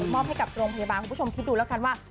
มอบให้กับโรงพยาบาลคุณผู้ชมคิดดูแล้วกันว่า